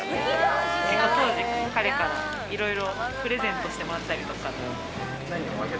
当時、彼から、いろいろプレゼントしてもらったりとか。